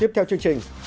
tiếp theo chương trình